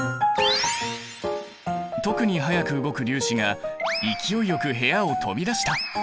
特に速く動く粒子が勢いよく部屋を飛び出した！